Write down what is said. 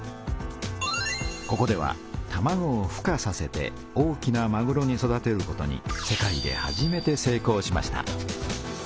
ここではたまごをふ化させて大きなまぐろに育てることに世界で初めて成功しました。